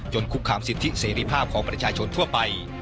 คุกคามสิทธิเสรีภาพของประชาชนทั่วไป